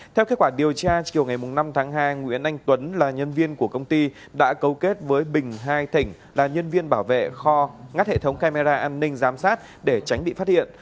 theo kết quả điều tra chiều ngày năm tháng hai nguyễn anh tuấn là nhân viên của công ty đã cấu kết với bình hai thỉnh là nhân viên bảo vệ kho ngắt hệ thống camera an ninh giám sát để tránh bị phát hiện